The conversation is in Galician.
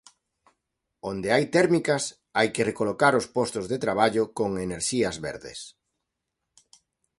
Onde hai térmicas, hai que recolocar os postos de traballo con enerxías verdes.